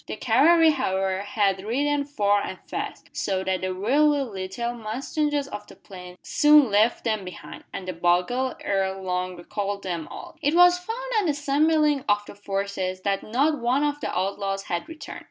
The cavalry, however, had ridden far and fast, so that the wiry little mustangs of the plains soon left them behind, and the bugle ere long recalled them all. It was found on the assembling of the forces that not one of the outlaws had returned.